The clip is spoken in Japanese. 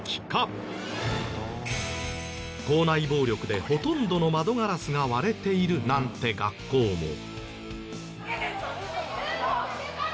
校内暴力でほとんどの窓ガラスが割れているなんて学校も。